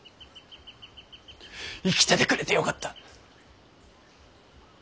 生きててくれてよかった。